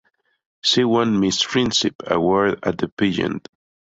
She won "Miss Friendship" award at the pageant.